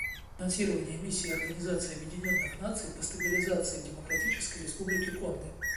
Финансирование Миссии Организации Объединенных Наций по стабилизации в Демократической Республике Конго.